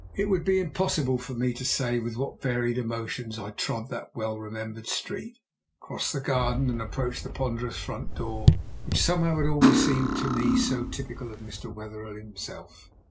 It would be impossible for me to say with what varied emotions I trod that well remembered street, crossed the garden, and approached the ponderous front door, which somehow had always seemed to me so typical of Mr. Wetherell himself.